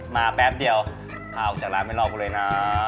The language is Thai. แป๊บเดียวพาออกจากร้านไปรอกูเลยนะ